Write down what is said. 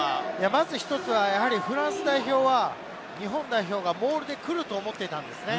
まず１つはフランス代表は日本代表がモールでくると思っていたんですよね。